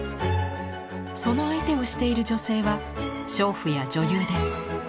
その相手をしている女性は娼婦や女優です。